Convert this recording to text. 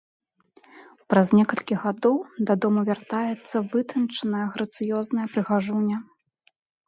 Праз некалькі гадоў дадому вяртаецца вытанчаная, грацыёзная прыгажуня.